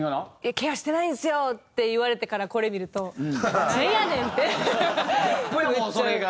「ケアしてないんですよ」って言われてからこれ見ると「なんやねん！」って。ギャップやもんそれが。